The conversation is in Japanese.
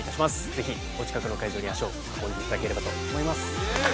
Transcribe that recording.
ぜひお近くの会場に足を運んでいただければと思います・イエーイ！